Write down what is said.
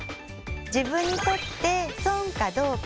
自分にとって損かどうか。